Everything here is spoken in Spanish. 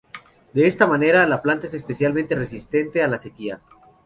De esta manera, la planta es especialmente resistente a la sequía.